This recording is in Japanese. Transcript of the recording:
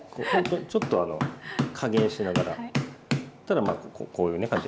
ちょっと加減しながらただまあこういうね感じ。